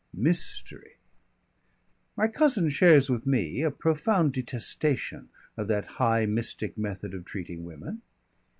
"Mystery." My cousin shares with me a profound detestation of that high mystic method of treating women.